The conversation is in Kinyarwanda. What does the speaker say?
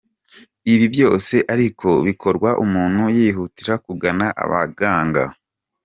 Ibi byose ariko bikorwa umuntu yihutira kugana abaganga.